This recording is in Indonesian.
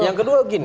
yang kedua gini